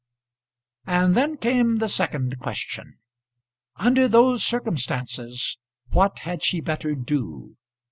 And then came the second question. Under those circumstances what had she better do?